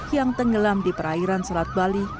yang tenggelam di perairan selat bali